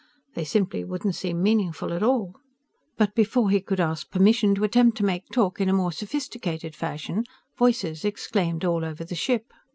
They simply wouldn't seem meaningful at all. But before he could ask permission to attempt to make talk in a more sophisticated fashion, voices exclaimed all over the ship.